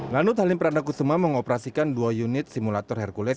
lanut halim pradakusuma mengoperasikan dua unit simulator hercules